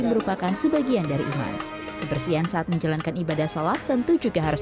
merupakan sebagian dari iman kebersihan saat menjalankan ibadah sholat tentu juga harus